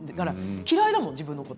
嫌いだもん、だから自分のこと。